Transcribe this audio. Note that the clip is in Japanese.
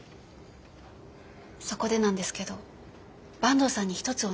そこでなんですけど坂東さんに一つお願いがあって。